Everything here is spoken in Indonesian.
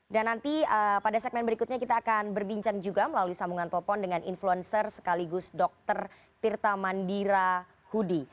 dan nanti pada segmen berikutnya kita akan berbincang juga melalui sambungan telpon dengan influencer sekaligus dokter tirta mandira hudi